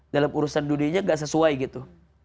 dalam urusan dunianya gak sesuai gitu